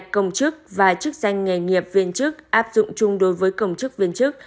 công chức và chức danh nghề nghiệp viên chức áp dụng chung đối với công chức viên chức